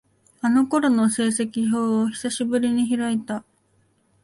あの頃の成績表を、久しぶりに開いた。